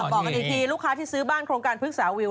บอกกันอีกทีลูกค้าที่ซื้อบ้านโครงการพฤกษาวิว